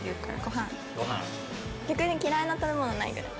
逆に嫌いな食べ物ないぐらい。